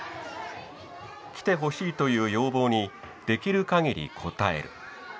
来てほしいという要望にできる限り応える。